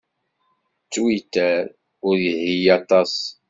Twitter ur yelhi aṭas.